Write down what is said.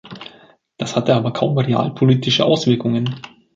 Das hatte aber kaum realpolitische Auswirkungen.